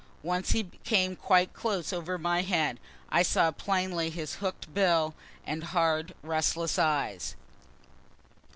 Once he came quite close over my head; I saw plainly his hook'd bill and hard restless eyes.